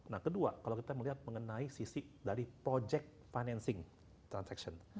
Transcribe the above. nah kedua kalau kita melihat mengenai sisi dari project financing transaction